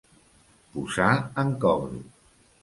Posar en cobro.